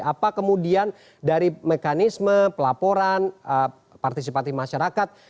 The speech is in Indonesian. apa kemudian dari mekanisme pelaporan partisipasi masyarakat